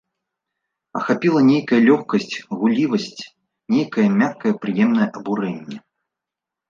Ахапіла нейкая лёгкасць, гуллівасць, нейкае мяккае, прыемнае абурэнне.